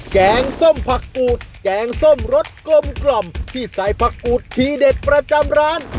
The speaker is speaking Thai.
แกงส้มผักกูดแกงส้มรสกลมที่ใส่ผักกูดทีเด็ดประจำร้าน